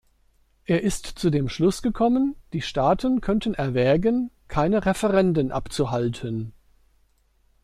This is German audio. Er ist zu dem Schluss gekommen, die Staaten könnten erwägen, keine Referenden abzuhalten.